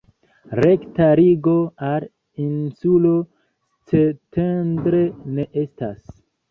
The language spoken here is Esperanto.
Rekta ligo al insulo Szentendre ne estas.